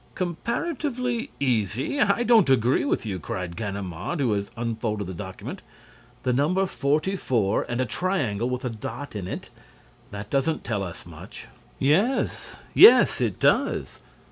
"Comparatively easy! I don't agree with you," cried Ganimard, who had unfolded the document. "The number 44 and a triangle with a dot in it: that doesn't tell us much!" "Yes, yes, it does!